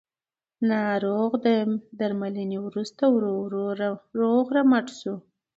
ناروغ د درملنې وروسته ورو ورو روغ رمټ شو